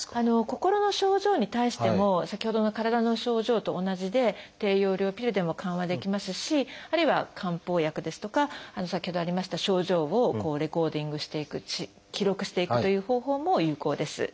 心の症状に対しても先ほどの体の症状と同じで低用量ピルでも緩和できますしあるいは漢方薬ですとか先ほどありました症状をレコーディングしていく記録していくという方法も有効です。